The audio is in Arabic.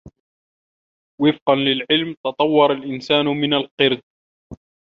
وفقا للعلم ، تطور الإنسان من القرد.